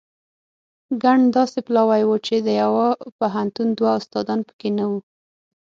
ګڼ داسې پلاوي وو چې د یوه پوهنتون دوه استادان په کې نه وو.